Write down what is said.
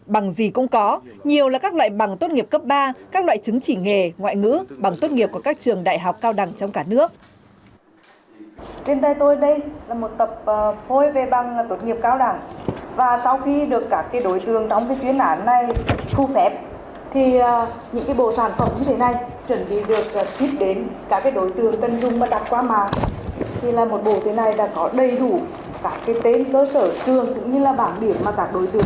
bằng gì cũng có nhiều là các loại bằng tốt nghiệp cấp ba các loại chứng chỉ nghề ngoại ngữ bằng tốt nghiệp của các trường đại học cao đẳng trong cả nước